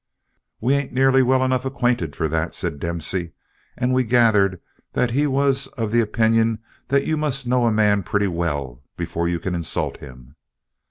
"We ain't nearly well enough acquainted for that," said Dempsey and we gathered that he was of the opinion that you must know a man pretty well before you can insult him.